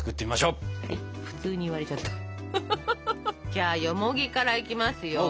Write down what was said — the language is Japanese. じゃあよもぎからいきますよ。